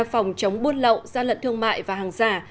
phòng chống buôn lậu gian lận thương mại và hàng giả